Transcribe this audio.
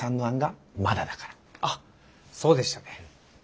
あっそうでしたね。